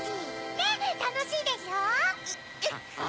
ねったのしいでしょう？